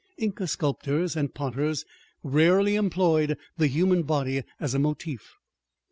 Inca sculptors and potters rarely employed the human body as a motif.